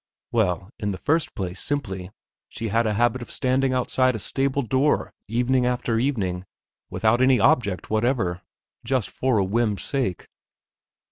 Well, in the first place, simply, she had a habit of standing outside a stable door, evening after evening, without any object whatever, just for a whim's sake....